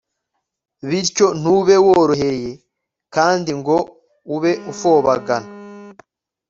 Bityo ntube worohereye kandi ngo ube ufobagana